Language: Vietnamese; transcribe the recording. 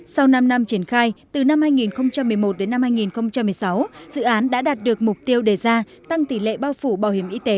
sau năm năm triển khai từ năm hai nghìn một mươi một đến năm hai nghìn một mươi sáu dự án đã đạt được mục tiêu đề ra tăng tỷ lệ bao phủ bảo hiểm y tế